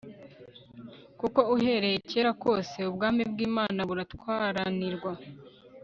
kuko uhereye kera kose ubwami bw'imana buratwaranirwa